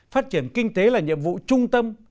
phát triển kinh tế là nhiệm vụ trung tâm